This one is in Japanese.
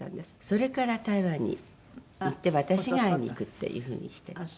それから台湾に行って私が会いに行くっていう風にしてます。